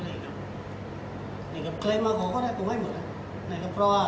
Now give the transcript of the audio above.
แล้วทีมงานที่มีเป็นตัวแทนตัวนี้เป็นทีมงานของเราหรือเป็นใครนะครับ